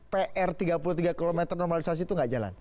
pr tiga puluh tiga km normalisasi itu nggak jalan